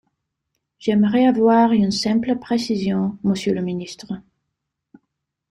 J’aimerais avoir une simple précision, monsieur le ministre.